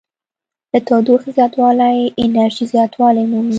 د تودوخې زیاتوالی انرژي زیاتوالی مومي.